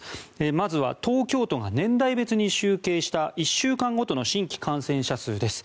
まずは東京都が年代別に集計した１週間ごとの新規感染者数です。